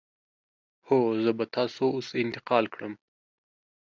هو، زه به تاسو اوس انتقال کړم.